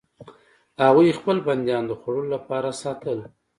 هغوی خپل بندیان د خوړلو لپاره ساتل.